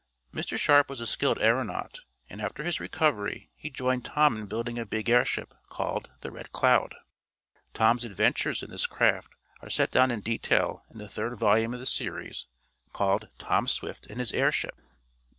Mr. Sharp was a skilled aeronaut, and after his recovery he joined Tom in building a big airship, called the Red Cloud. Tom's adventures in this craft are set down in detail in the third volume of the series, called "Tom Swift and His Airship."